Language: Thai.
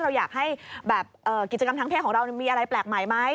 เราอยากให้แบบกิจกรรมทางเพศของเรามีอะไรแปลกใหม่ไหม